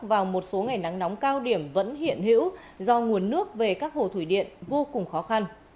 vào một số ngày nắng nóng cao điểm vẫn hiện hữu do nguồn nước về các hồ thủy điện vô cùng khó khăn